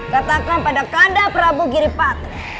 katakan pada kandah prabu giripati